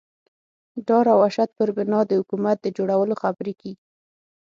ډار او وحشت پر بنا د حکومت د جوړولو خبرې کېږي.